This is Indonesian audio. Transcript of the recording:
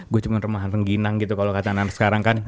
gue cuma remahan pengginang gitu kalau kata anak sekarang kan